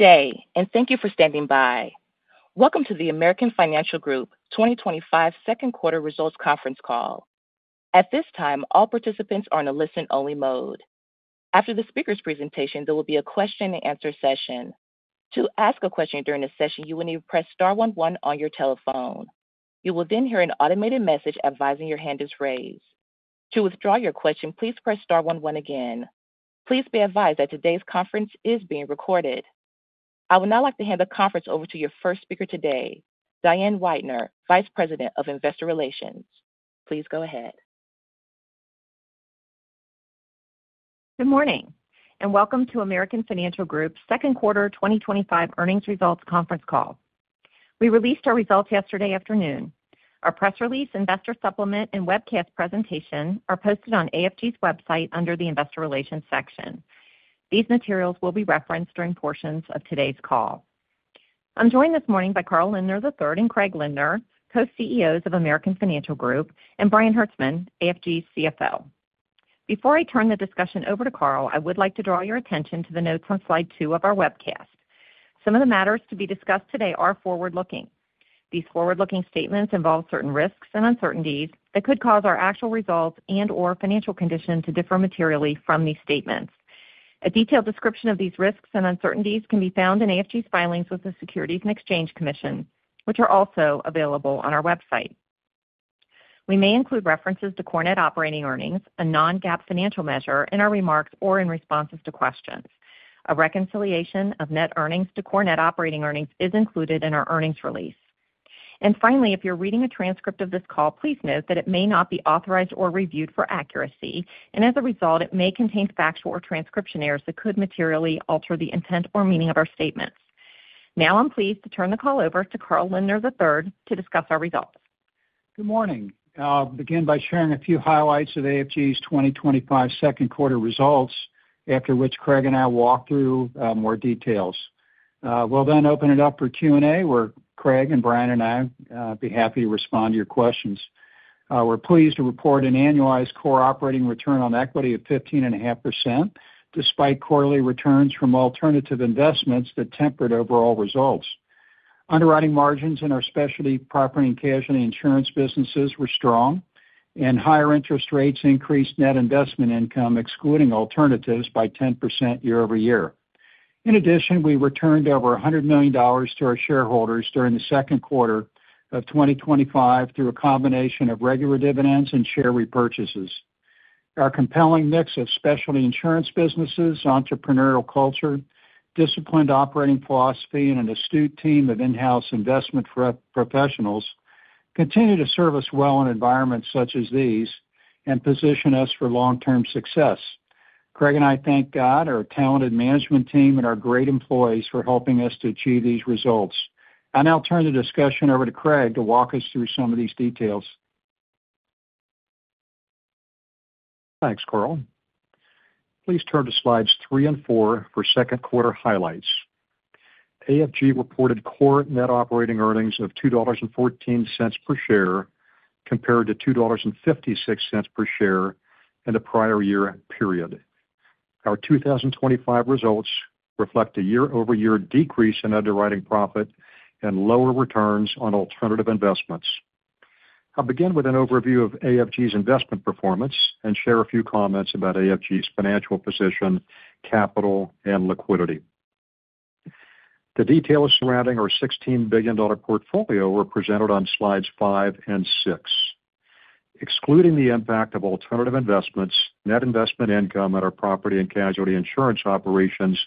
Thank you for standing by. Welcome to the American Financial Group 2025 second quarter results conference call. At this time, all participants are in a listen-only mode. After the speaker's presentation, there will be a question-and-answer session. To ask a question during the session, you will need to press star one one on your telephone. You will then hear an automated message advising your hand is raised. To withdraw your question, please press star one one again. Please be advised that today's conference is being recorded. I would now like to hand the conference over to your first speaker today, Diane Weidner, Vice President of Investor Relations. Please go ahead. Good morning and welcome to American Financial Group's second quarter 2025 earnings results conference call. We released our results yesterday afternoon. Our press release, investor supplement, and webcast presentation are posted on AFG's website under the Investor Relations section. These materials will be referenced during portions of today's call. I'm joined this morning by Carl Lindner III and Craig Lindner, Co-Chief Executive Officers of American Financial Group, and Brian Hertzman, AFG's CFO. Before I turn the discussion over to Carl, I would like to draw your attention to the notes on slide two of our webcast. Some of the matters to be discussed today are forward-looking. These forward-looking statements involve certain risks and uncertainties that could cause our actual results and/or financial condition to differ materially from these statements. A detailed description of these risks and uncertainties can be found in AFG's filings with the Securities and Exchange Commission, which are also available on our website. We may include references to core net operating earnings, a non-GAAP financial measure, in our remarks or in responses to questions. A reconciliation of net earnings to core net operating earnings is included in our earnings release. Finally, if you're reading a transcript of this call, please note that it may not be authorized or reviewed for accuracy, and as a result, it may contain factual or transcription errors that could materially alter the intent or meaning of our statements. Now I'm pleased to turn the call over to Carl Lindner III to discuss our results. Good morning. I'll begin by sharing a few highlights of AFG's 2025 second quarter results, after which Craig and I will walk through more details. We'll then open it up for Q&A, where Craig and Brian and I will be happy to respond to your questions. We're pleased to report an annualized core operating return on equity of 15.5%, despite quarterly returns from alternative investments that tempered overall results. Underwriting margins in our specialty property and casualty insurance businesses were strong, and higher interest rates increased net investment income, excluding alternatives, by 10% year-over-year. In addition, we returned over $100 million to our shareholders during the second quarter of 2025 through a combination of regular dividends and share repurchases. Our compelling mix of specialty insurance businesses, entrepreneurial culture, disciplined operating philosophy, and an astute team of in-house investment professionals continue to serve us well in environments such as these and position us for long-term success. Craig and I thank God, our talented management team, and our great employees for helping us to achieve these results. I now turn the discussion over to Craig to walk us through some of these details. Thanks, Carl. Please turn to slides three and four for second quarter highlights. AFG reported core net operating earnings of $2.14 per share compared to $2.56 per share in the prior year period. Our 2025 results reflect a year-over-year decrease in underwriting profit and lower returns on alternative investments. I'll begin with an overview of AFG's investment performance and share a few comments about AFG's financial position, capital, and liquidity. The details surrounding our $16 billion portfolio were presented on slides five and six. Excluding the impact of alternative investments, net investment income at our property and casualty insurance operations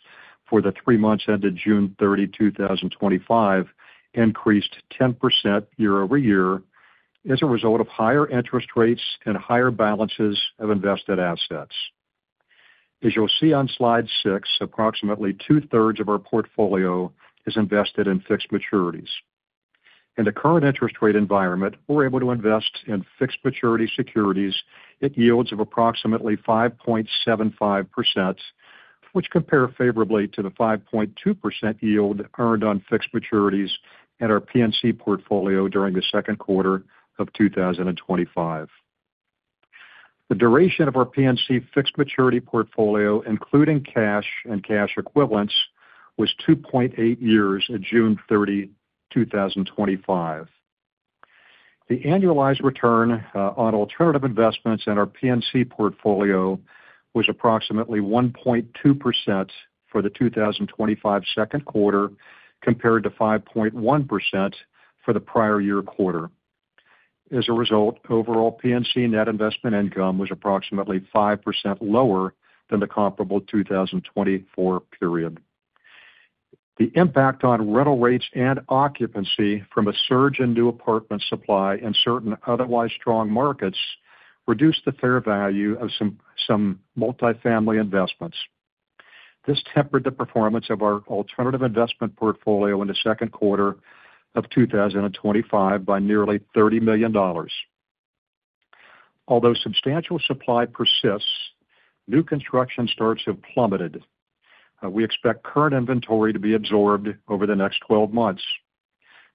for the three months ended June 30, 2025, increased 10% year-over-year as a result of higher interest rates and higher balances of invested assets. As you'll see on slide six, approximately two-thirds of our portfolio is invested in fixed maturities. In the current interest rate environment, we're able to invest in fixed maturity securities at yields of approximately 5.75%, which compare favorably to the 5.2% yield earned on fixed maturities at our PNC portfolio during the second quarter of 2025. The duration of our PNC fixed maturity portfolio, including cash and cash equivalents, was 2.8 years at June 30, 2025. The annualized return on alternative investments in our PNC portfolio was approximately 1.2% for the 2025 second quarter compared to 5.1% for the prior year quarter. As a result, overall PNC net investment income was approximately 5% lower than the comparable 2024 period. The impact on rental rates and occupancy from a surge in new apartment supply and certain otherwise strong markets reduced the fair value of some multifamily investments. This tempered the performance of our alternative investment portfolio in the second quarter of 2025 by nearly $30 million. Although substantial supply persists, new construction starts have plummeted. We expect current inventory to be absorbed over the next 12 months.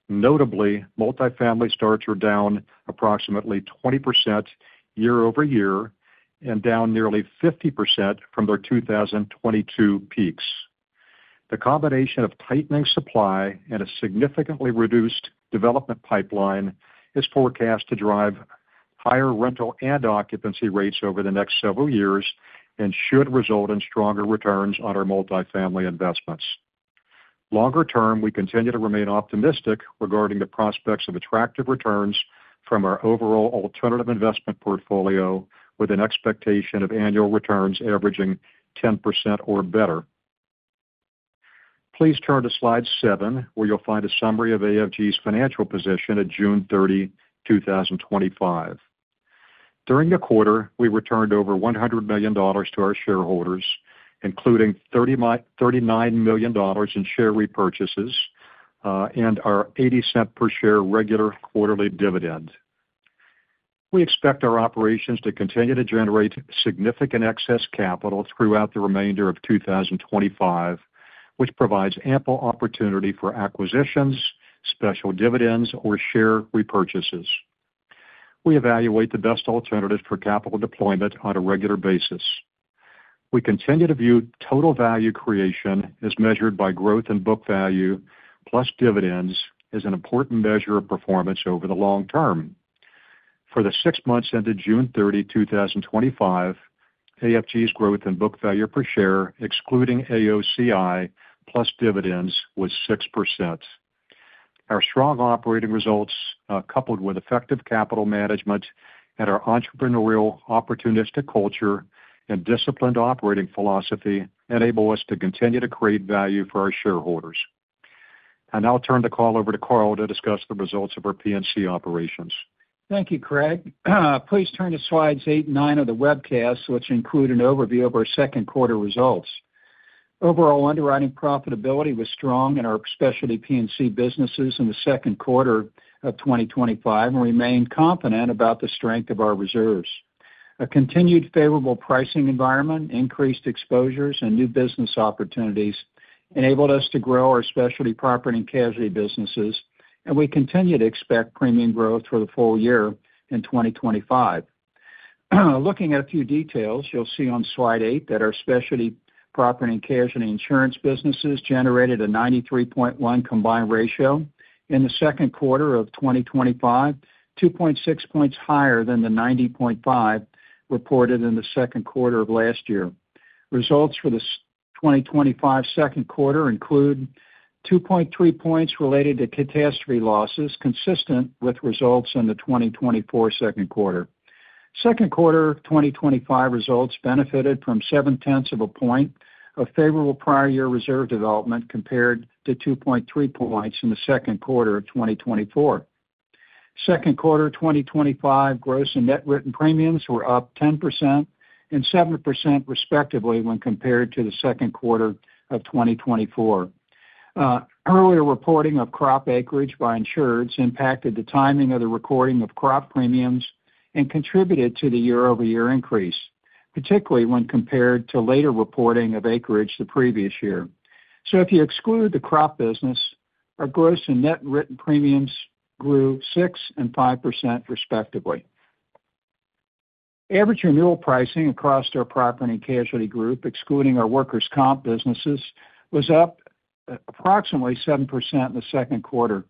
Notably, multifamily starts are down approximately 20% year-over-year and down nearly 50% from their 2022 peaks. The combination of tightening supply and a significantly reduced development pipeline is forecast to drive higher rental and occupancy rates over the next several years and should result in stronger returns on our multifamily investments. Longer term, we continue to remain optimistic regarding the prospects of attractive returns from our overall alternative investment portfolio, with an expectation of annual returns averaging 10% or better. Please turn to slide seven, where you'll find a summary of AFG's financial position at June 30, 2025. During the quarter, we returned over $100 million to our shareholders, including $39 million in share repurchases and our $0.80 per share regular quarterly dividend. We expect our operations to continue to generate significant excess capital throughout the remainder of 2025, which provides ample opportunity for acquisitions, special dividends, or share repurchases. We evaluate the best alternatives for capital deployment on a regular basis. We continue to view total value creation as measured by growth in book value plus dividends as an important measure of performance over the long term. For the six months ended June 30, 2025, AFG's growth in book value per share, excluding AOCI plus dividends, was 6%. Our strong operating results, coupled with effective capital management and our entrepreneurial, opportunistic culture and disciplined operating philosophy, enable us to continue to create value for our shareholders. I now turn the call over to Carl to discuss the results of our PNC operations. Thank you, Craig. Please turn to slides eight and nine of the webcast, which include an overview of our second quarter results. Overall, underwriting profitability was strong in our specialty PNC businesses in the second quarter of 2025 and remain confident about the strength of our reserves. A continued favorable pricing environment, increased exposures, and new business opportunities enabled us to grow our specialty property and casualty businesses, and we continue to expect premium growth for the full year in 2025. Looking at a few details, you'll see on slide eight that our specialty property and casualty insurance businesses generated a 93.1% combined ratio in the second quarter of 2025, 2.6 points higher than the 90.5% reported in the second quarter of last year. Results for the 2025 second quarter include 2.3 points related to catastrophe losses, consistent with results in the 2024 second quarter. Second quarter 2025 results benefited from 0.7 of a point of favorable prior year reserve development compared to 2.3 points in the second quarter of 2024. Second quarter 2025 gross and net written premiums were up 10% and 7% respectively when compared to the second quarter of 2024. Earlier reporting of crop acreage by insureds impacted the timing of the recording of crop premiums and contributed to the year-over-year increase, particularly when compared to later reporting of acreage the previous year. If you exclude the crop business, our gross and net written premiums grew 6% and 5% respectively. Average renewal pricing across our property and casualty group, excluding our workers' compensation businesses, was up approximately 7% in the second quarter,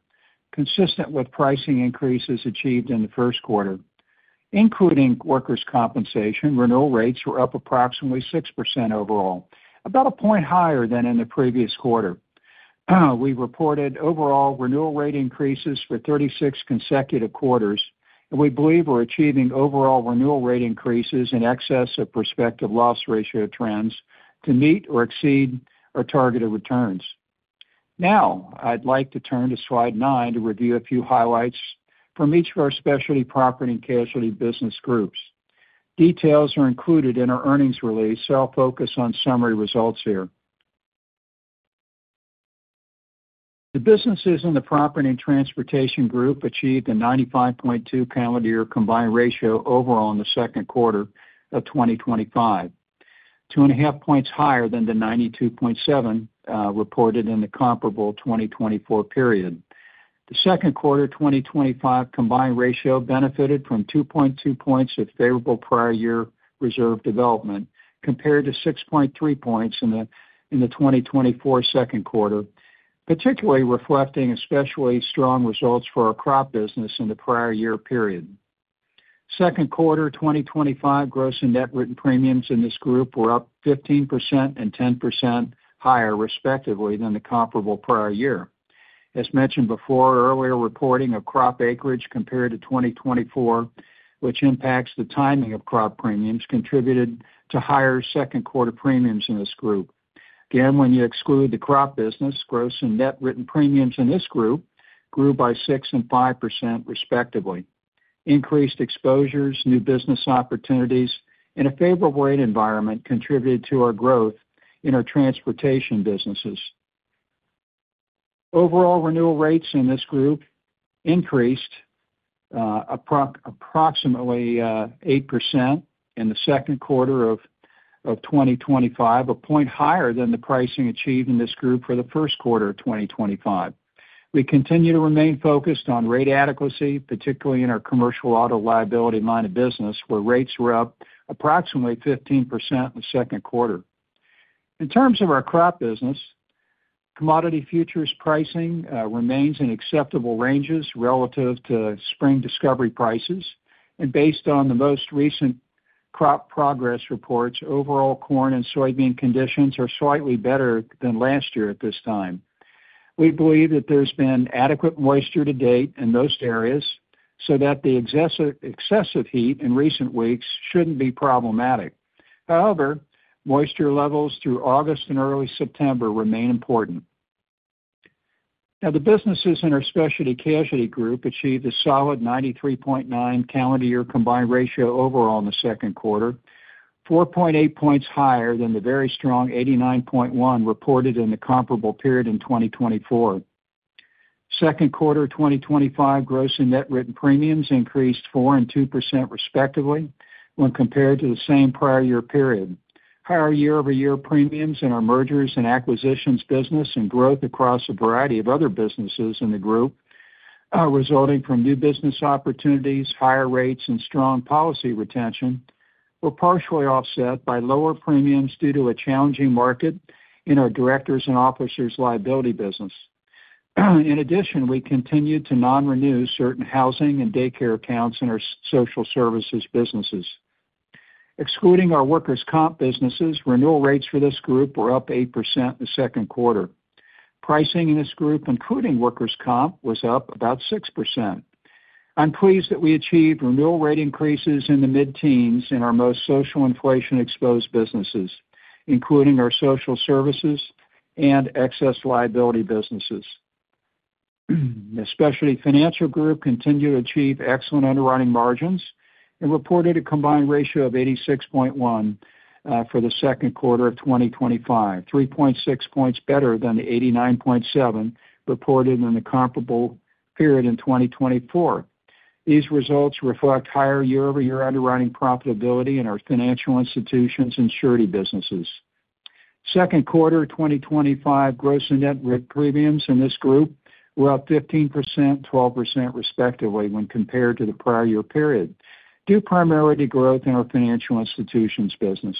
consistent with pricing increases achieved in the first quarter. Including workers' compensation, renewal rates were up approximately 6% overall, about a point higher than in the previous quarter. We reported overall renewal rate increases for 36 consecutive quarters, and we believe we're achieving overall renewal rate increases in excess of prospective loss ratio trends to meet or exceed our targeted returns. Now I'd like to turn to slide nine to review a few highlights from each of our specialty property and casualty business groups. Details are included in our earnings release, so I'll focus on summary results here. The businesses in the property and transportation group achieved a 95.2 calendar year combined ratio overall in the second quarter of 2025, 2.5 points higher than the 92.7 reported in the comparable 2024 period. The second quarter 2025 combined ratio benefited from 2.2 points of favorable prior year reserve development compared to 6.3 points in the 2024 second quarter, particularly reflecting especially strong results for our crop business in the prior year period. Second quarter 2025 gross and net written premiums in this group were up 15% and 10% higher respectively than the comparable prior year. As mentioned before, earlier reporting of crop acreage compared to 2024, which impacts the timing of crop premiums, contributed to higher second quarter premiums in this group. Again, when you exclude the crop business, gross and net written premiums in this group grew by 6% and 5% respectively. Increased exposures, new business opportunities, and a favorable rate environment contributed to our growth in our transportation businesses. Overall renewal rates in this group increased approximately 8% in the second quarter of 2025, a point higher than the pricing achieved in this group for the first quarter of 2025. We continue to remain focused on rate adequacy, particularly in our commercial auto liability line of business, where rates were up approximately 15% in the second quarter. In terms of our crop business, commodity futures pricing remains in acceptable ranges relative to spring discovery prices, and based on the most recent crop progress reports, overall corn and soybean conditions are slightly better than last year at this time. We believe that there's been adequate moisture to date in most areas so that the excessive heat in recent weeks shouldn't be problematic. However, moisture levels through August and early September remain important. Now, the businesses in our specialty casualty group achieved a solid 93.9 calendar year combined ratio overall in the second quarter, 4.8 points higher than the very strong 89.1 reported in the comparable period in 2024. Second quarter 2025 gross and net written premiums increased 4% and 2% respectively when compared to the same prior year period. Higher year-over-year premiums in our mergers and acquisitions business and growth across a variety of other businesses in the group, resulting from new business opportunities, higher rates, and strong policy retention, were partially offset by lower premiums due to a challenging market in our directors and officers liability business. In addition, we continued to non-renew certain housing and daycare accounts in our social services businesses. Excluding our workers' compensation businesses, renewal rates for this group were up 8% in the second quarter. Pricing in this group, including workers' compensation, was up about 6%. I'm pleased that we achieved renewal rate increases in the mid-teens in our most social inflation-exposed businesses, including our social services and excess liability businesses. The specialty financial group continued to achieve excellent underwriting margins and reported a combined ratio of 86.1x for the second quarter of 2025, 3.6 points better than the 89.7 reported in the comparable period in 2024. These results reflect higher year-over-year underwriting profitability in our financial institutions insurance businesses. Second quarter 2025 gross and net written premiums in this group were up 15% and 12% respectively when compared to the prior year period, due primarily to growth in our financial institutions business.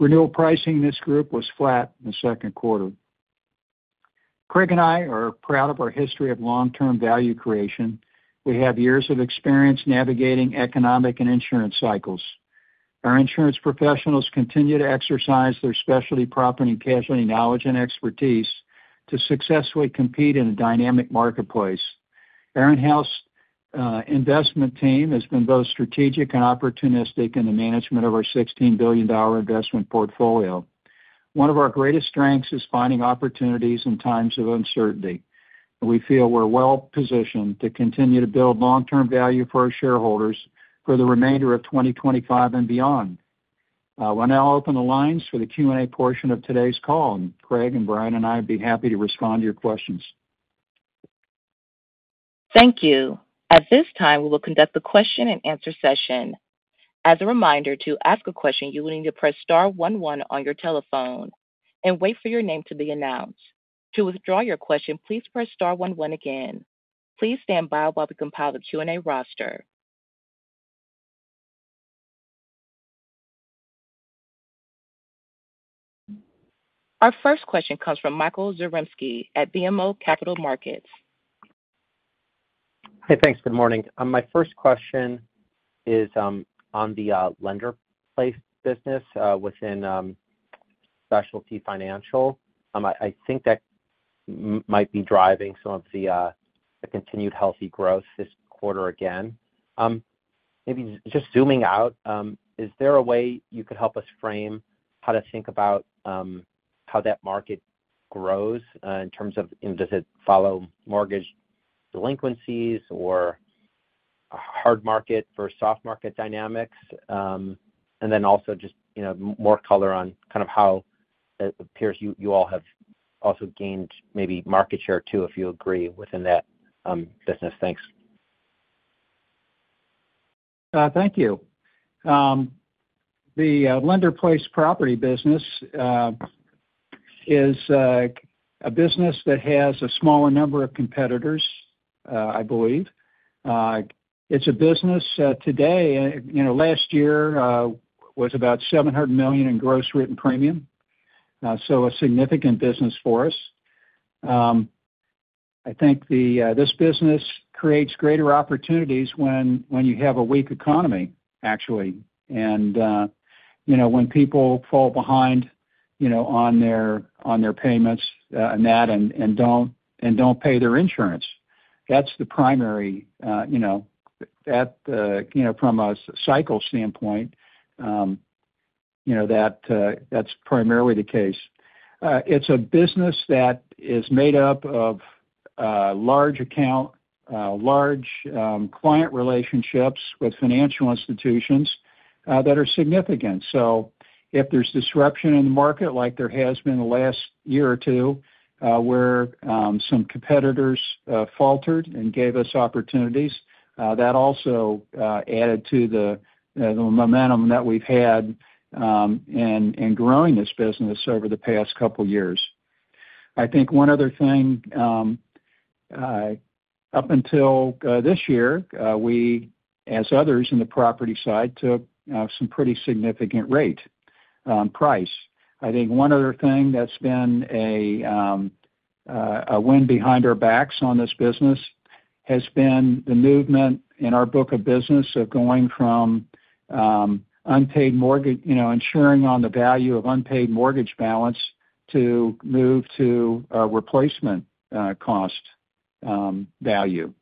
Renewal pricing in this group was flat in the second quarter. Craig and I are proud of our history of long-term value creation. We have years of experience navigating economic and insurance cycles. Our insurance professionals continue to exercise their specialty property and casualty knowledge and expertise to successfully compete in a dynamic marketplace. Our in-house investment team has been both strategic and opportunistic in the management of our $16 billion investment portfolio. One of our greatest strengths is finding opportunities in times of uncertainty. We feel we're well-positioned to continue to build long-term value for our shareholders for the remainder of 2025 and beyond. We'll now open the lines for the Q&A portion of today's call, and Craig and Brian and I would be happy to respond to your questions. Thank you. At this time, we will conduct the question-and-answer session. As a reminder, to ask a question, you will need to press star one one on your telephone and wait for your name to be announced. To withdraw your question, please press star one one again. Please stand by while we compile the Q&A roster. Our first question comes from Michael Zaremski at BMO Capital Markets. Hi, thanks. Good morning. My first question is on the lender-placed property business within specialty financial. I think that might be driving some of the continued healthy growth this quarter again. Maybe just zooming out, is there a way you could help us frame how to think about how that market grows in terms of, does it follow mortgage delinquencies or a hard market versus soft market dynamics? Also, just more color on kind of how it appears you all have also gained maybe market share too, if you agree, within that business. Thanks. Thank you. The lender-placed property business is a business that has a smaller number of competitors, I believe. It's a business today, you know, last year was about $700 million in gross written premium, so a significant business for us. I think this business creates greater opportunities when you have a weak economy, actually, and when people fall behind on their payments and that, and don't pay their insurance. That's the primary, you know, from a cycle standpoint, that's primarily the case. It's a business that is made up of large account, large client relationships with financial institutions that are significant. If there's disruption in the market, like there has been the last year or two, where some competitors faltered and gave us opportunities, that also added to the momentum that we've had in growing this business over the past couple of years. I think one other thing, up until this year, we, as others in the property side, took some pretty significant rate on price. I think one other thing that's been a win behind our backs on this business has been the movement in our book of business of going from unpaid mortgage, insuring on the value of unpaid mortgage balance to move to replacement cost valuation,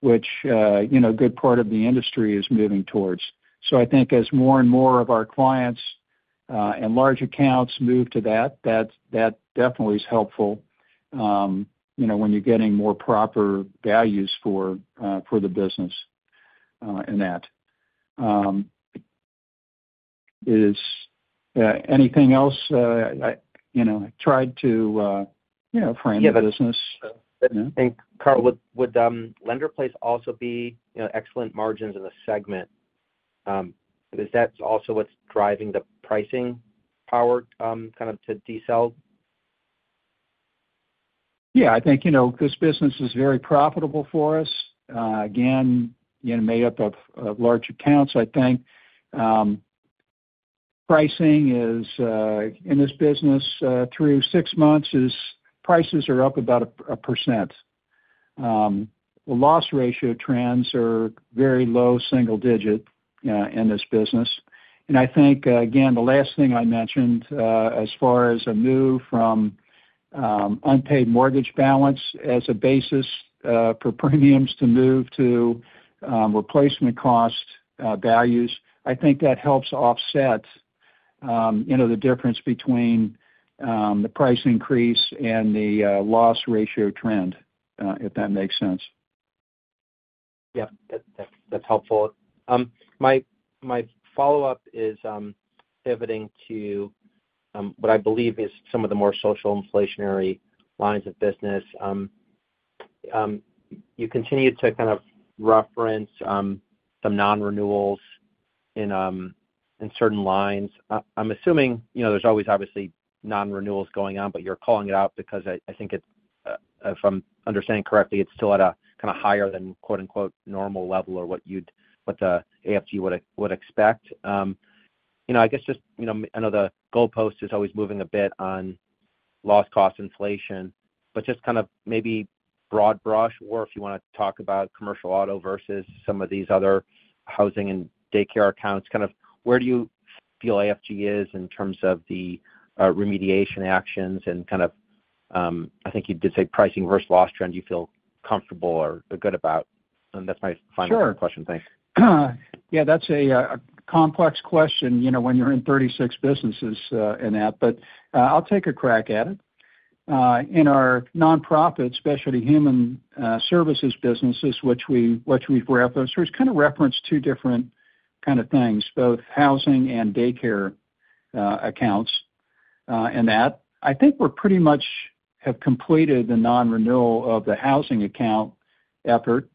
which a good part of the industry is moving towards. I think as more and more of our clients and large accounts move to that, that definitely is helpful when you're getting more proper values for the business in that. Anything else? I tried to frame the business. Carl, would lender-placed also be, you know, excellent margins in the segment? Is that also what's driving the pricing power kind of to [D&O]? Yeah, I think this business is very profitable for us. Again, made up of large accounts, I think. Pricing is in this business through six months, prices are up about 1%. The loss ratio trends are very low single digit in this business. I think, again, the last thing I mentioned, as far as a move from unpaid mortgage balance as a basis for premiums to move to replacement cost values, I think that helps offset the difference between the price increase and the loss ratio trend, if that makes sense. Yep, that's helpful. My follow-up is pivoting to what I believe is some of the more social inflationary lines of business. You continue to kind of reference some non-renewals in certain lines. I'm assuming there's always obviously non-renewals going on, but you're calling it out because I think, if I'm understanding correctly, it's still at a kind of higher than, quote-unquote, "normal level" or what you'd, what AFG would expect. I guess just, I know the goalpost is always moving a bit on loss cost inflation, but just kind of maybe broad brush, or if you want to talk about commercial auto versus some of these other housing and daycare accounts, kind of where do you feel AFG is in terms of the remediation actions and kind of, I think you did say pricing versus loss trend you feel comfortable or good about. That's my final question. Thanks. Sure. Yeah, that's a complex question, you know, when you're in 36 businesses in that, but I'll take a crack at it. In our nonprofit specialty human services businesses, which we reference, there's kind of reference to different kind of things, both housing and daycare accounts in that. I think we pretty much have completed the non-renewal of the housing account effort,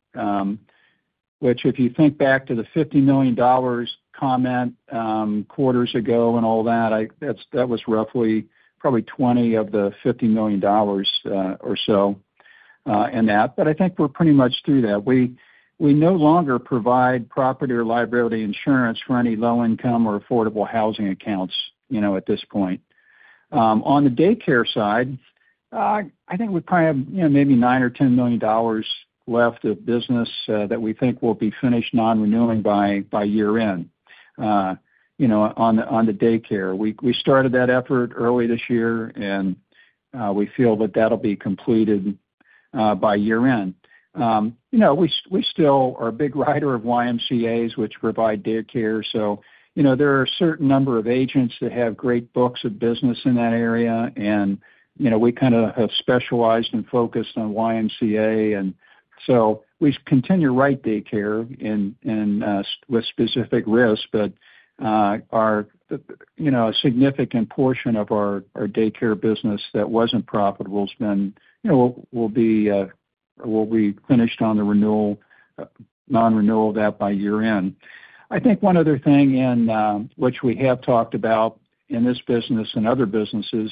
which if you think back to the $50 million comment quarters ago and all that, that was roughly probably $20 million of the $50 million or so in that. I think we're pretty much through that. We no longer provide property or liability insurance for any low-income or affordable housing accounts at this point. On the daycare side, I think we probably have maybe $9 million or $10 million left of business that we think will be finished non-renewing by year-end. On the daycare, we started that effort early this year, and we feel that that'll be completed by year-end. We still are a big writer of YMCAs, which provide daycare. There are a certain number of agents that have great books of business in that area, and we kind of have specialized and focused on YMCA. We continue to write daycare with specific risks, but a significant portion of our daycare business that wasn't profitable will be finished on the renewal, non-renewal of that by year-end. I think one other thing in which we have talked about in this business and other businesses,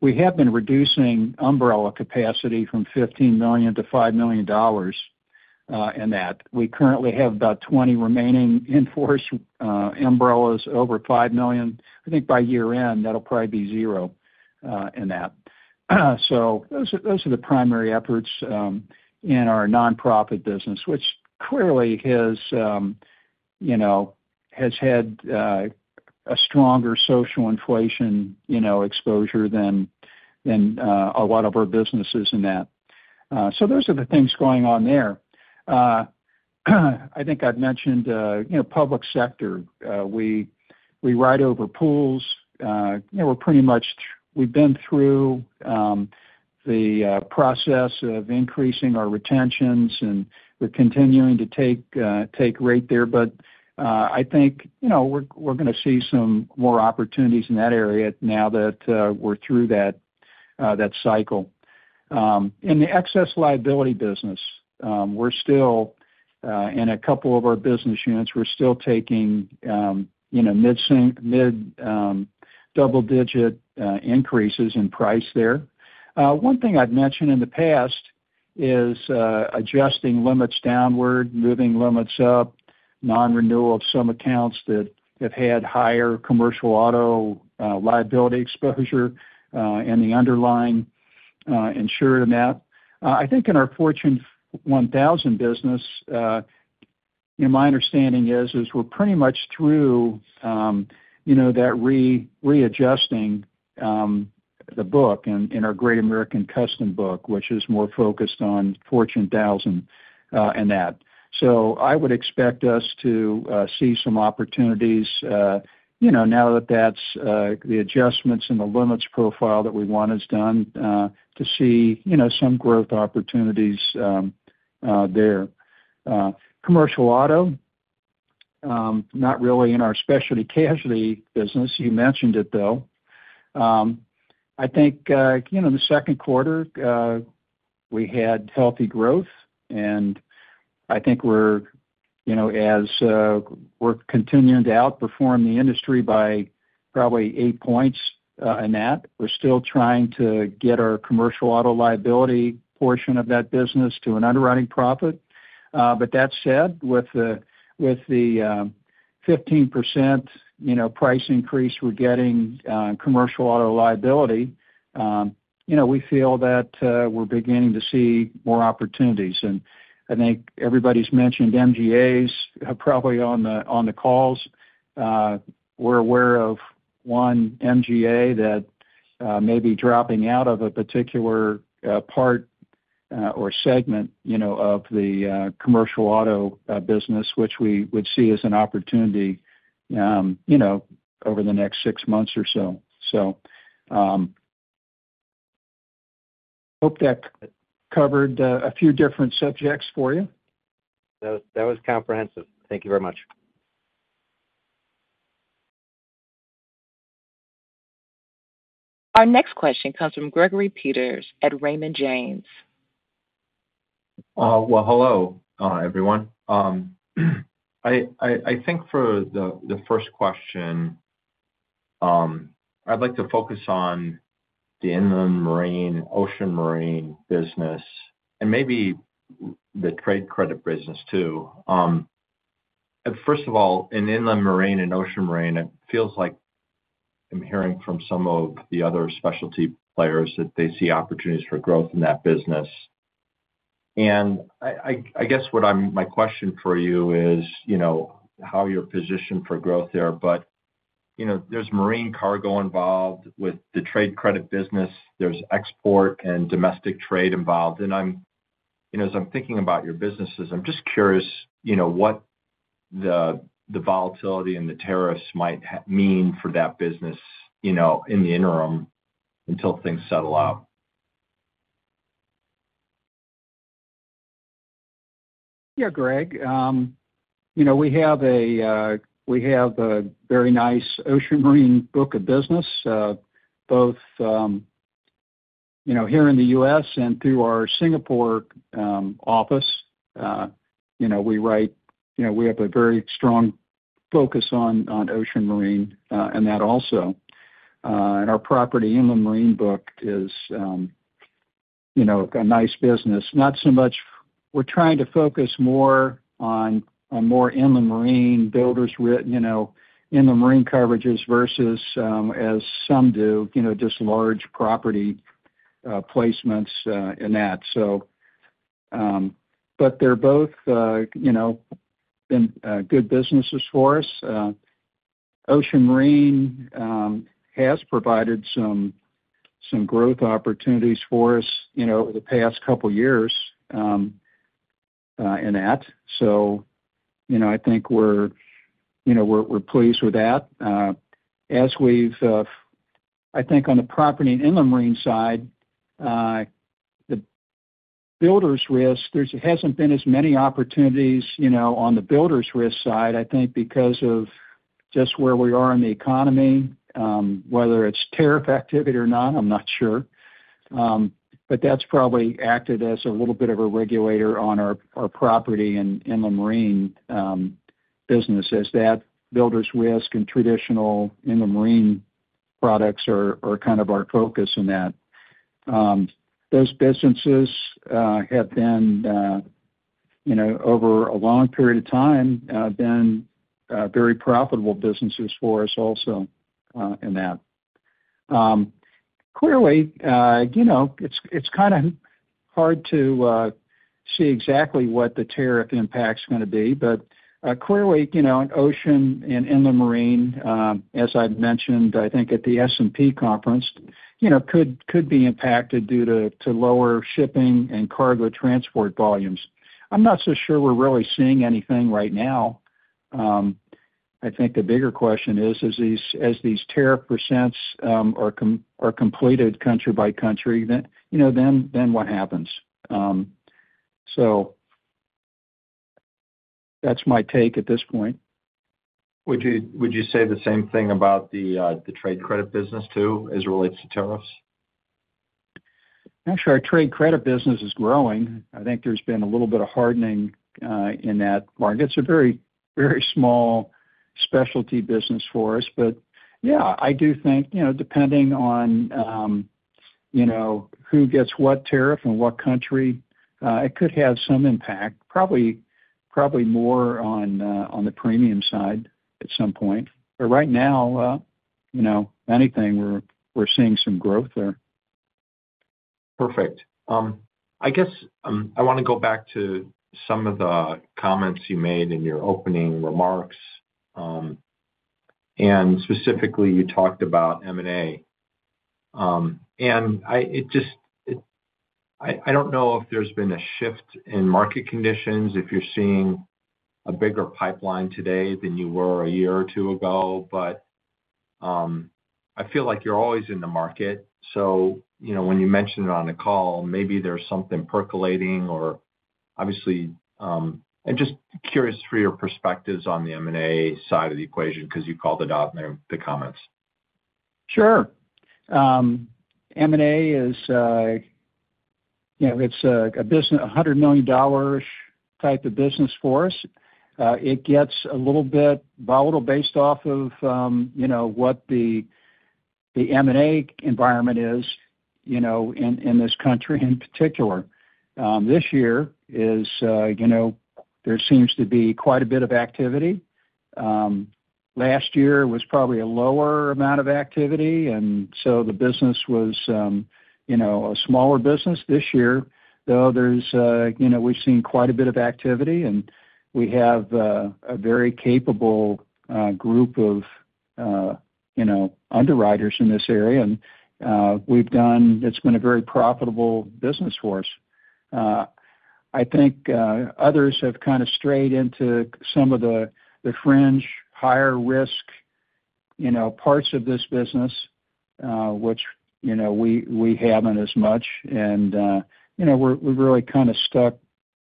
we have been reducing umbrella capacity from $15 million to $5 million in that. We currently have about 20 remaining in-force umbrellas over $5 million. I think by year-end, that'll probably be $0 in that. Those are the primary efforts in our nonprofit business, which clearly has had a stronger social inflation exposure than a lot of our businesses in that. Those are the things going on there. I think I've mentioned public sector. We write over pools. We're pretty much, we've been through the process of increasing our retentions, and we're continuing to take rate there. I think we're going to see some more opportunities in that area now that we're through that cycle. In the excess liability business, in a couple of our business units, we're still taking mid-double-digit increases in price there. One thing I've mentioned in the past is adjusting limits downward, moving limits up, non-renewal of some accounts that have had higher commercial auto liability exposure and the underlying insured in that. I think in our Fortune 1000 business, my understanding is we're pretty much through that readjusting the book in our Great American Custom Book, which is more focused on Fortune 1000 in that. I would expect us to see some opportunities now that the adjustments and the limits profile that we want is done to see some growth opportunities there. Commercial auto, not really in our specialty property and casualty insurance business. You mentioned it, though. I think in the second quarter, we had healthy growth, and I think we're continuing to outperform the industry by probably 8 points in that. We're still trying to get our commercial auto liability portion of that business to an underwriting profit. That said, with the 15% price increase we're getting on commercial auto liability, we feel that we're beginning to see more opportunities. I think everybody's mentioned MGAs probably on the calls. We're aware of one MGA that may be dropping out of a particular part or segment of the commercial auto business, which we would see as an opportunity over the next six months or so. Hope that covered a few different subjects for you. That was comprehensive. Thank you very much. Our next question comes from Gregory Peters at Raymond James. Hello, everyone. I think for the first question, I'd like to focus on the inland marine, ocean marine business, and maybe the trade credit business too. In inland marine and ocean marine, it feels like I'm hearing from some of the other specialty players that they see opportunities for growth in that business. My question for you is, you know, how you're positioned for growth there. There's marine cargo involved with the trade credit business. There's export and domestic trade involved. As I'm thinking about your businesses, I'm just curious what the volatility and the tariffs might mean for that business in the interim until things settle out. Yeah, Greg. We have a very nice ocean marine book of business, both here in the U.S. and through our Singapore office. We write, we have a very strong focus on ocean marine in that also. Our property inland marine book is a nice business. Not so much, we're trying to focus more on more inland marine builders written, inland marine coverages versus, as some do, just large property placements in that. They're both good businesses for us. Ocean marine has provided some growth opportunities for us over the past couple of years in that. I think we're pleased with that. As we've, I think on the property and inland marine side, the builders' risk, there hasn't been as many opportunities on the builders' risk side, I think, because of just where we are in the economy. Whether it's tariff activity or not, I'm not sure. That's probably acted as a little bit of a regulator on our property and inland marine businesses that builders' risk and traditional inland marine products are kind of our focus in that. Those businesses have been, over a long period of time, very profitable businesses for us also in that. Clearly, it's kind of hard to see exactly what the tariff impact's going to be, but clearly, in ocean and inland marine, as I've mentioned, I think at the S&P conference, could be impacted due to lower shipping and cargo transport volumes. I'm not so sure we're really seeing anything right now. I think the bigger question is, as these tariff percents are completed country by country, then what happens? That's my take at this point. Would you say the same thing about the trade credit business too, as it relates to tariffs? Actually, our trade credit business is growing. I think there's been a little bit of hardening in that market. It's a very, very small specialty business for us. I do think, depending on who gets what tariff in what country, it could have some impact, probably more on the premium side at some point. Right now, we're seeing some growth there. Perfect. I guess I want to go back to some of the comments you made in your opening remarks. Specifically, you talked about M&A. I don't know if there's been a shift in market conditions, if you're seeing a bigger pipeline today than you were a year or two ago, but I feel like you're always in the market. When you mentioned it on the call, maybe there's something percolating or obviously, I'm just curious for your perspectives on the M&A side of the equation because you called it out in the comments. Sure. M&A is a business, a $100 million type of business for us. It gets a little bit volatile based off of what the M&A environment is in this country in particular. This year, there seems to be quite a bit of activity. Last year was probably a lower amount of activity, and so the business was a smaller business. This year, though, we've seen quite a bit of activity, and we have a very capable group of underwriters in this area. It's been a very profitable business for us. I think others have kind of strayed into some of the fringe, higher risk parts of this business, which we haven't as much. We're really kind of stuck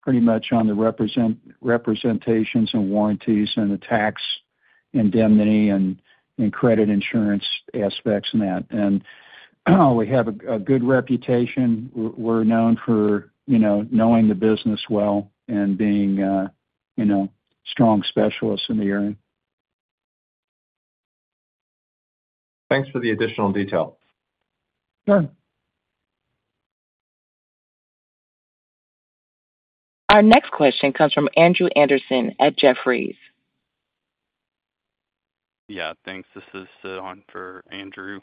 pretty much on the representations and warranties and the tax indemnity and credit insurance aspects in that. We have a good reputation. We're known for knowing the business well and being strong specialists in the area. Thanks for the additional detail. Sure. Our next question comes from Andrew Andersen at Jefferies. Yeah, thanks. This is on for Andrew.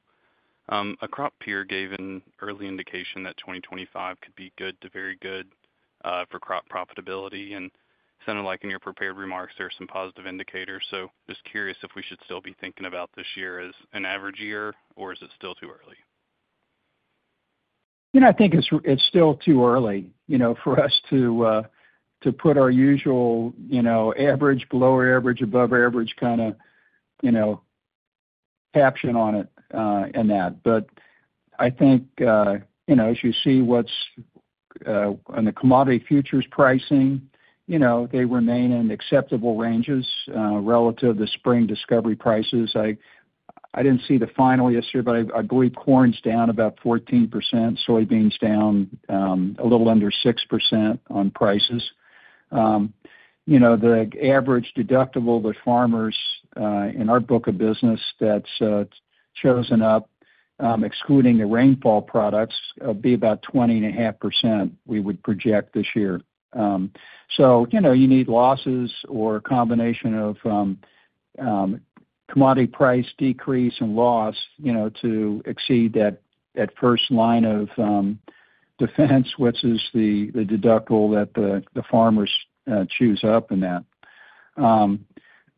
A crop peer gave an early indication that 2025 could be good to very good for crop profitability. It sounded like in your prepared remarks, there are some positive indicators. Just curious if we should still be thinking about this year as an average year, or is it still too early? I think it's still too early for us to put our usual average, below average, above average kind of caption on it. I think as you see what's on the commodity futures pricing, they remain in acceptable ranges relative to the spring discovery prices. I didn't see the final yesterday, but I believe corn's down about 14%, soybeans down a little under 6% on prices. The average deductible to farmers in our book of business that's chosen up, excluding the rainfall products, will be about 20.5% we would project this year. You need losses or a combination of commodity price decrease and loss to exceed that first line of defense, which is the deductible that the farmers choose up.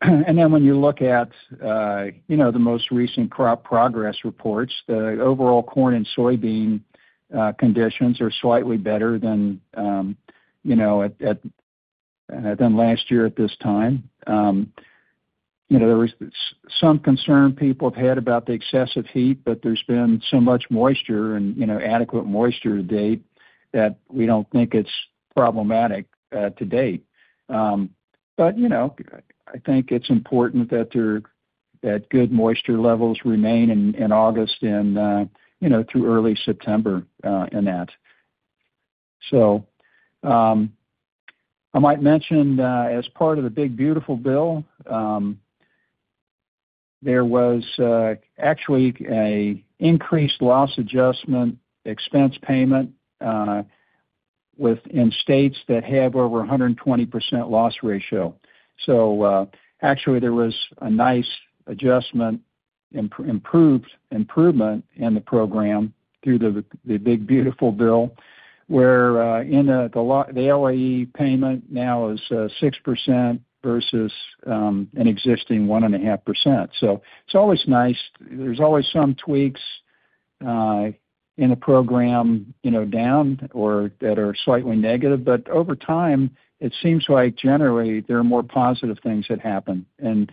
When you look at the most recent crop progress reports, the overall corn and soybean conditions are slightly better than last year at this time. There was some concern people have had about the excessive heat, but there's been so much moisture and adequate moisture to date that we don't think it's problematic to date. I think it's important that good moisture levels remain in August and through early September. I might mention as part of the big beautiful bill, there was actually an increased loss adjustment expense payment within states that have over 120% loss ratio. There was a nice adjustment and improvement in the program through the big beautiful bill where the LAE payment now is 6% versus an existing 1.5%. It's always nice. There are always some tweaks in the program that are slightly negative. Over time, it seems like generally there are more positive things that happen, and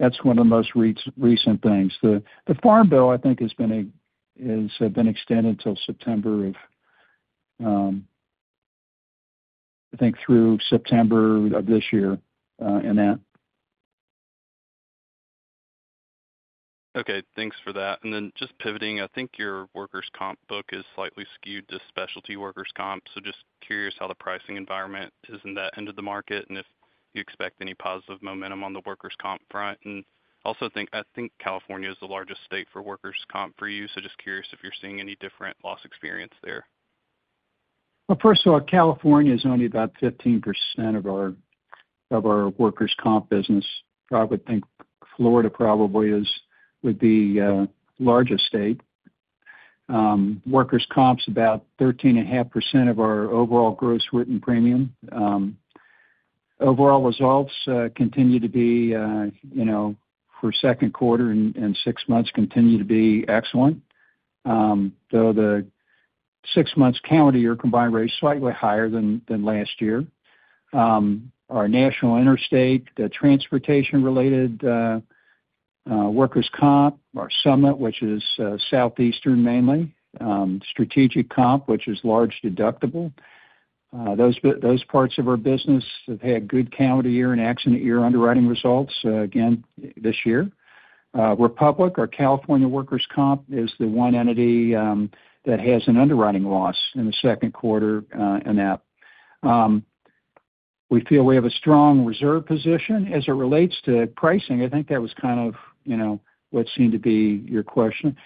that's one of the most recent things. The farm bill, I think, has been extended until September of, I think, through September of this year. Okay. Thanks for that. Just pivoting, I think your workers' compensation book is slightly skewed to specialty workers' compensation. Just curious how the pricing environment is in that end of the market and if you expect any positive momentum on the workers' compensation front. I think California is the largest state for workers' compensation for you. Just curious if you're seeing any different loss experience there. California is only about 15% of our workers' comp business. I would think Florida probably would be the largest state. Workers' comp is about 13.5% of our overall gross written premium. Overall results continue to be, for the second quarter and six months, excellent, though the six-month calendar year combined ratio is slightly higher than last year. Our national interstate, the transportation-related workers' comp, our Summit, which is southeastern mainly, Strategic Comp, which is large deductible, those parts of our business have had good calendar year and exit year underwriting results again this year. Our California workers' comp is the one entity that has an underwriting loss in the second quarter in that. We feel we have a strong reserve position as it relates to pricing. I think that was what seemed to be your question.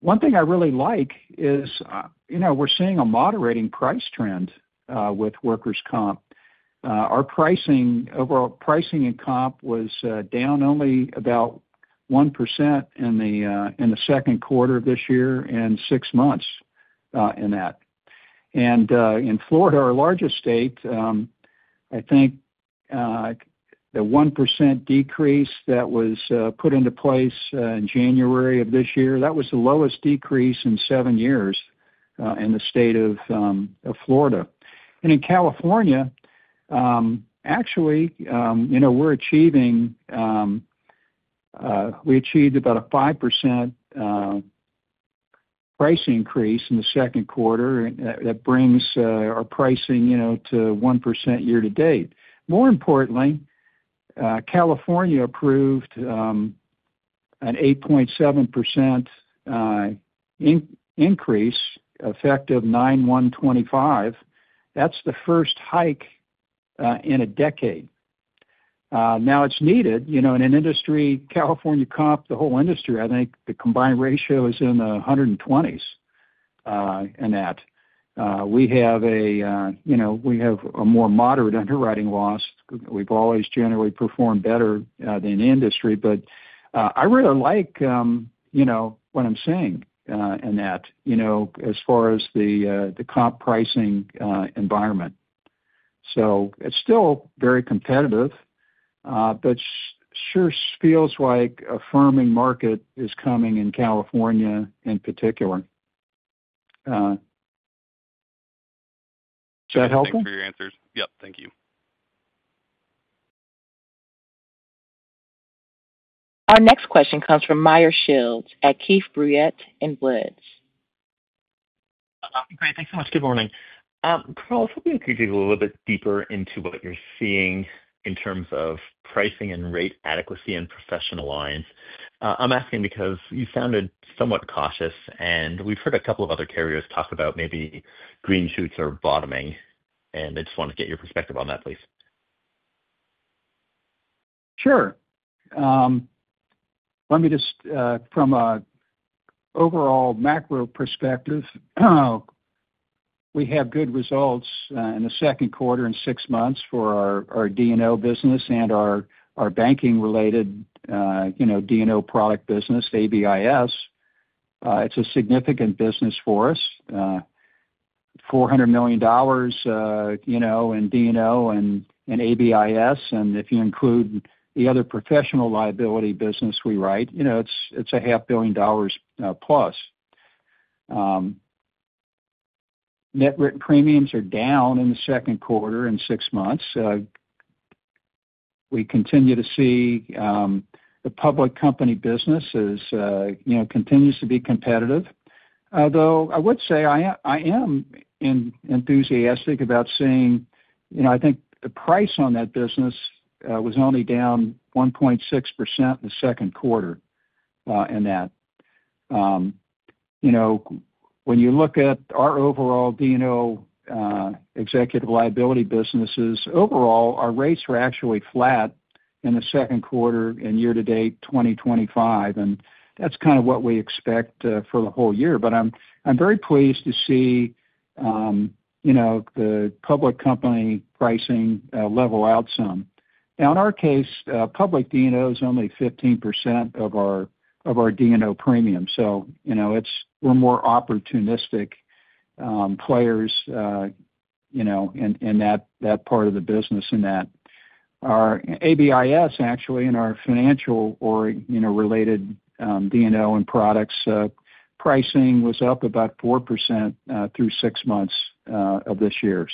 One thing I really like is, we're seeing a moderating price trend with workers' comp. Our overall pricing in comp was down only about 1% in the second quarter of this year and six months in that. In Florida, our largest state, I think the 1% decrease that was put into place in January of this year was the lowest decrease in seven years in the state of Florida. In California, actually, we're achieving, we achieved about a 5% price increase in the second quarter. That brings our pricing to 1% year to date. More importantly, California approved an 8.7% increase effective 09/01/2025. That's the first hike in a decade. Now it's needed in an industry, California comp, the whole industry, I think the combined ratio is in the 120s in that. We have a more moderate underwriting loss. We've always generally performed better than the industry, but I really like what I'm seeing in that as far as the comp pricing environment. It's still very competitive, but it sure feels like a firming market is coming in California in particular. Is that helpful? Thanks for your answers. Thank you. Our next question comes from Meyer Shields at Keefe, Bruyette & Woods. Great. Thanks so much. Good morning. Carl, I was hoping we could dig a little bit deeper into what you're seeing in terms of pricing and rate adequacy in professional lines. I'm asking because you sounded somewhat cautious, and we've heard a couple of other carriers talk about maybe green shoots or bottoming. I just want to get your perspective on that, please. Sure. Let me just, from an overall macro perspective, we have good results in the second quarter and six months for our D&O business and our banking-related D&O product business, ABIS. It's a significant business for us. $400 million in D&O and ABIS. If you include the other professional liability business we write, it's a $500+ million. Net written premiums are down in the second quarter and six months. We continue to see the public company business continues to be competitive. Although I would say I am enthusiastic about seeing, I think the price on that business was only down 1.6% in the second quarter. When you look at our overall D&O executive liability businesses, overall, our rates were actually flat in the second quarter and year to date 2025. That's kind of what we expect for the whole year. I am very pleased to see the public company pricing level out some. In our case, public D&O is only 15% of our D&O premium. We are more opportunistic players in that part of the business. Our ABIS, actually, in our financial or related D&O and products pricing was up about 4% through six months of this year.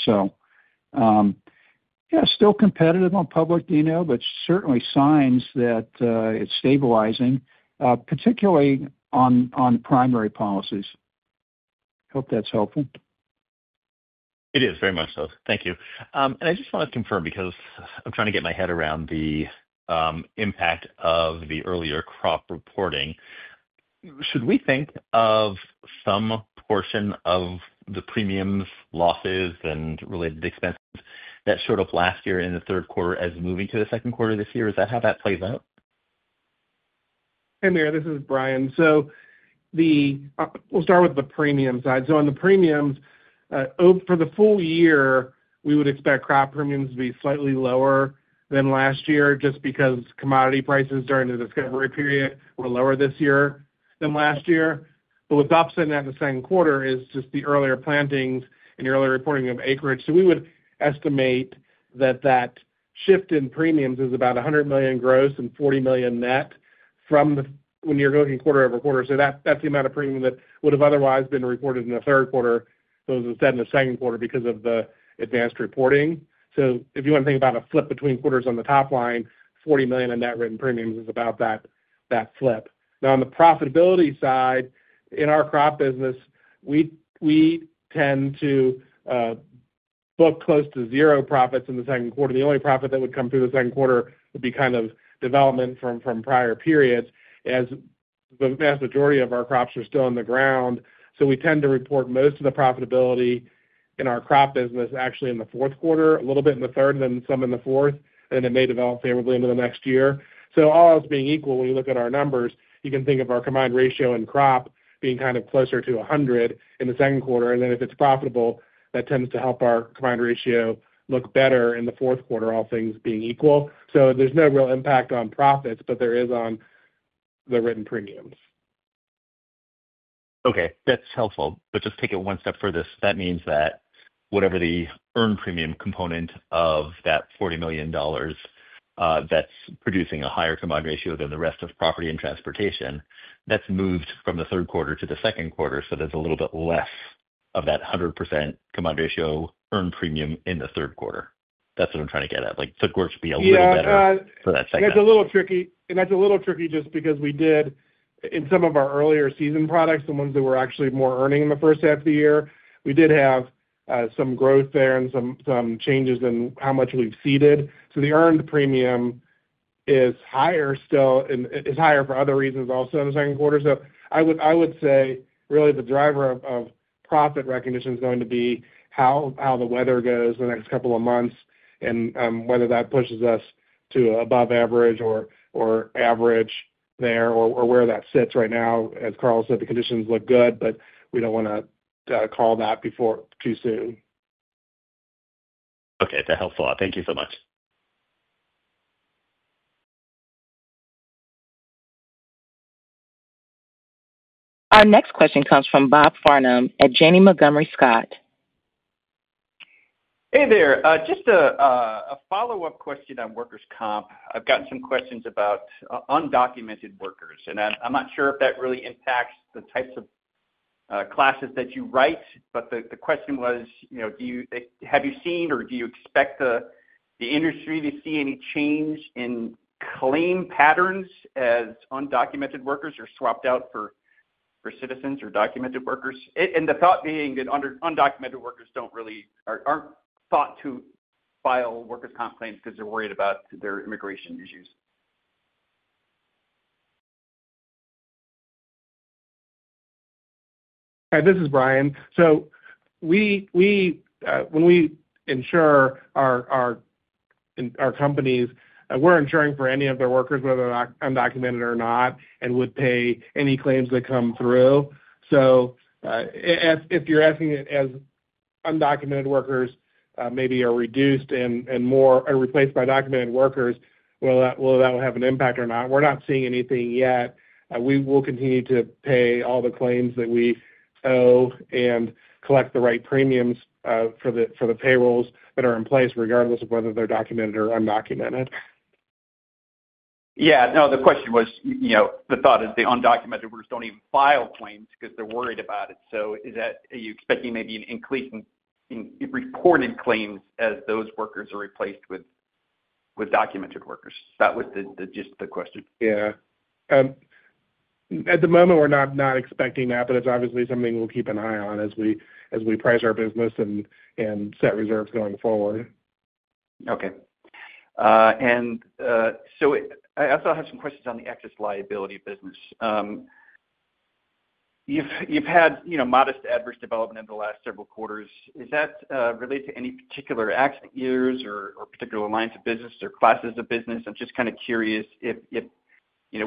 Still competitive on public D&O, but certainly signs that it's stabilizing, particularly on the primary policies. I hope that's helpful. It is very much so. Thank you. I just want to confirm because I'm trying to get my head around the impact of the earlier crop reporting. Should we think of some portion of the premiums, losses, and related expenses that showed up last year in the third quarter as moving to the second quarter this year? Is that how that plays out? Hey, Meyer. This is Brian. We'll start with the premium side. On the premiums, for the full year, we would expect crop premiums to be slightly lower than last year just because commodity prices during the discovery period were lower this year than last year. What's also in that in the second quarter is just the earlier plantings and your earlier reporting of acreage. We would estimate that that shift in premiums is about $100 million gross and $40 million net when you're looking quarter over quarter. That's the amount of premium that would have otherwise been reported in the third quarter than in the second quarter because of the advanced reporting. If you want to think about a flip between quarters on the top line, $40 million in net written premiums is about that flip. Now, on the profitability side, in our crop business, we tend to book close to zero profits in the second quarter. The only profit that would come through the second quarter would be kind of development from prior periods as the vast majority of our crops are still in the ground. We tend to report most of the profitability in our crop business actually in the fourth quarter, a little bit in the third, and then some in the fourth, and then it may develop favorably into the next year. All else being equal, when you look at our numbers, you can think of our combined ratio in crop being kind of closer to 100 in the second quarter. If it's profitable, that tends to help our combined ratio look better in the fourth quarter, all things being equal. There's no real impact on profits, but there is on the written premiums. Okay, that's helpful. Just take it one step further. That means that whatever the earned premium component of that $40 million that's producing a higher combined ratio than the rest of property and transportation, that's moved from the third quarter to the second quarter. There's a little bit less of that 100% combined ratio earned premium in the third quarter. That's what I'm trying to get at. The third quarter should be a little better for that second quarter. Yeah, that's a little tricky. That's a little tricky just because we did, in some of our earlier season products, the ones that were actually more earning in the first half of the year, we did have some growth there and some changes in how much we've seeded. The earned premium is higher still and is higher for other reasons also in the second quarter. I would say really the driver of profit recognition is going to be how the weather goes in the next couple of months and whether that pushes us to above average or average there or where that sits right now. As Carl said, the conditions look good, but we don't want to call that before too soon. Okay, that's helpful. Thank you so much. Our next question comes from Bob Farnam at Janney Montgomery Scott. Hey there. Just a follow-up question on workers' compensation. I've gotten some questions about undocumented workers, and I'm not sure if that really impacts the types of classes that you write, but the question was, do you have you seen or do you expect the industry to see any change in claim patterns as undocumented workers are swapped out for citizens or documented workers? The thought being that undocumented workers aren't thought to file workers' compensation claims because they're worried about their immigration issues. Hi, this is Brian. When we insure our companies, we're insuring for any of their workers, whether they're undocumented or not, and would pay any claims that come through. If you're asking if undocumented workers maybe are reduced and more are replaced by documented workers, will that have an impact or not? We're not seeing anything yet. We will continue to pay all the claims that we owe and collect the right premiums for the payrolls that are in place, regardless of whether they're documented or undocumented. Yeah, no, the question was, you know, the thought is the undocumented workers don't even file claims because they're worried about it. Are you expecting maybe an increase in reported claims as those workers are replaced with documented workers? That was just the question. At the moment, we're not expecting that, but it's obviously something we'll keep an eye on as we price our business and set reserves going forward. Okay. I also have some questions on the excess liability business. You've had, you know, modest adverse development in the last several quarters. Is that related to any particular accident years or particular lines of business or classes of business? I'm just kind of curious if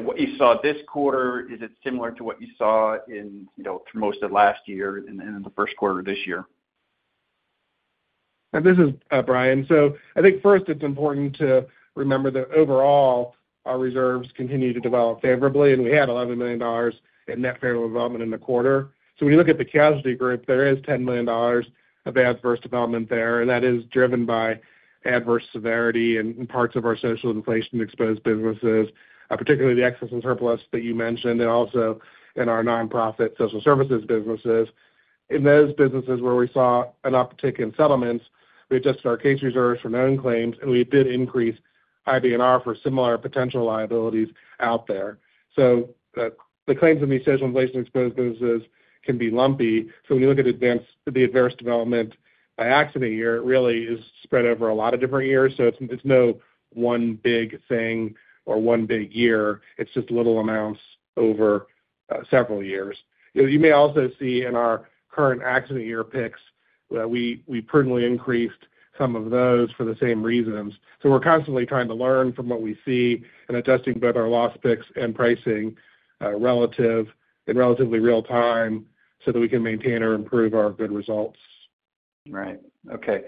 what you saw this quarter is similar to what you saw in, you know, for most of last year and in the first quarter of this year? This is Brian. I think first, it's important to remember that overall, our reserves continue to develop favorably, and we had $11 million in net payroll development in the quarter. When you look at the casualty group, there is $10 million of adverse development there, and that is driven by adverse severity in parts of our social inflation-exposed businesses, particularly the excess interest that you mentioned, and also in our nonprofit social services businesses. In those businesses where we saw an uptick in settlements, we adjusted our case reserves for known claims, and we did increase IBNR for similar potential liabilities out there. The claims in these social inflation-exposed businesses can be lumpy. When you look at the adverse development by accident year, it really is spread over a lot of different years. It's no one big thing or one big year. It's just little amounts over several years. You may also see in our current accident year picks that we prudently increased some of those for the same reasons. We're constantly trying to learn from what we see and adjusting both our loss picks and pricing in relatively real time so that we can maintain or improve our good results. Right. Okay.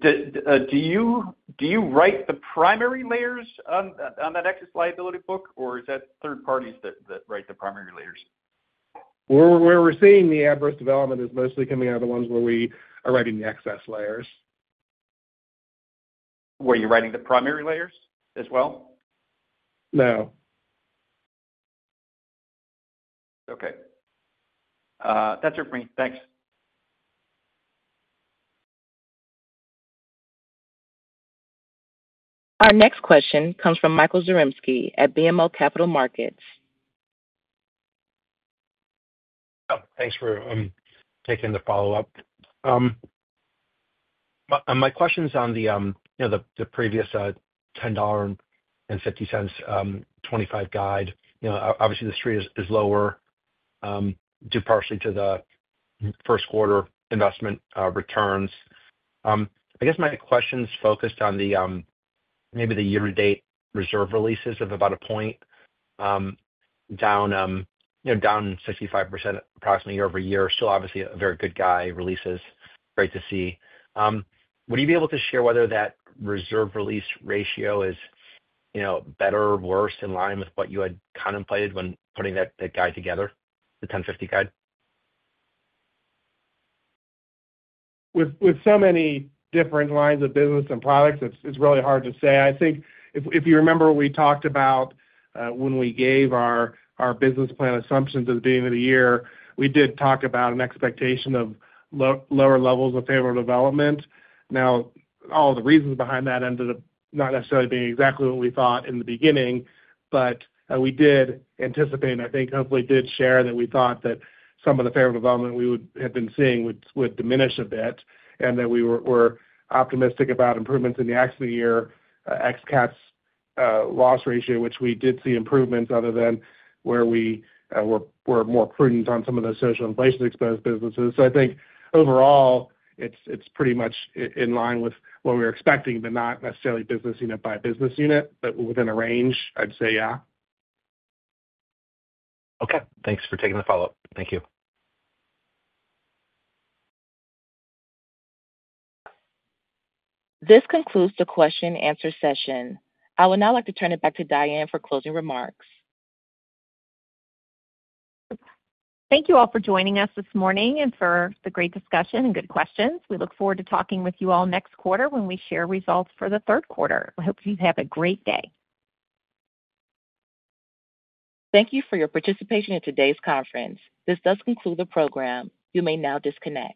Do you write the primary layers on that excess liability book, or is that third parties that write the primary layers? Where we're seeing the adverse development is mostly coming out of the ones where we are writing the excess layers. Where you're writing the primary layers as well? No. Okay, that's it for me. Thanks. Our next question comes from Michael Zaremski at BMO Capital Markets. Thanks for taking the follow-up. My question is on the previous $10.50–$10.25 guide. Obviously, the street is lower due partially to the first quarter investment returns. I guess my question's focused on maybe the year-to-date reserve releases of about a point down, down 65% approximately year-over-year. Still, obviously, very good guide releases. Great to see. Would you be able to share whether that reserve release ratio is better or worse, in line with what you had contemplated when putting that guide together, the $10.50 guide? With so many different lines of business and products, it's really hard to say. I think if you remember, we talked about when we gave our business plan assumptions at the beginning of the year, we did talk about an expectation of lower levels of payroll development. Now, all of the reasons behind that ended up not necessarily being exactly what we thought in the beginning, but we did anticipate, and I think hopefully did share that we thought that some of the payroll development we had been seeing would diminish a bit, and that we were optimistic about improvements in the excess loss ratio, which we did see improvements other than where we were more prudent on some of those social inflation-exposed businesses. I think overall, it's pretty much in line with what we were expecting, but not necessarily business unit by business unit, but within a range, I'd say, yeah. Okay, thanks for taking the follow-up. Thank you. This concludes the question-and-answer session. I would now like to turn it back to Diane for closing remarks. Thank you all for joining us this morning and for the great discussion and good questions. We look forward to talking with you all next quarter when we share results for the third quarter. I hope you have a great day. Thank you for your participation in today's conference. This does conclude the program. You may now disconnect.